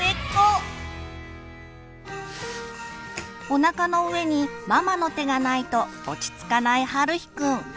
おなかの上にママの手がないと落ち着かないはるひくん。